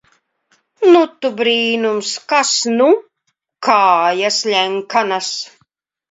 Nu, tu brīnums! Kas nu! Kājas ļenkanas...